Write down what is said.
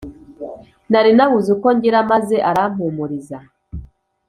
Nari nabuze uko ngira, Maze arampumuriza.